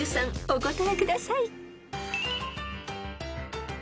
お答えください］